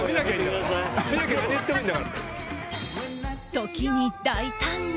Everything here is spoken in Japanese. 時に大胆に。